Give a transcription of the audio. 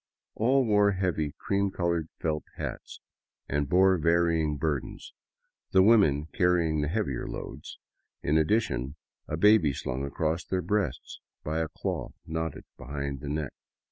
All wore heavy, cream colored felt hats, and bore varying burdens, the women carrying the heavier loads and in addition a baby slung across their breasts by a cloth knotted behind the neck.